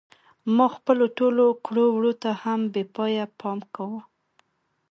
ما خپلو ټولو کړو وړو ته هم بې پایه پام کاوه.